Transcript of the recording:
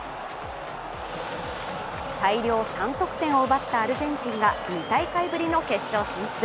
大量３得点を奪ったアルゼンチンが２大会ぶりの決勝進出。